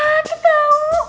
aduh sakit tau